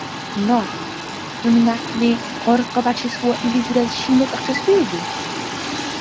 Нарт, хӀуни някъли къаркъа бячес ва илизирад шин дакӀахъес вируду?